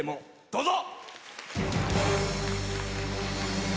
どうぞ。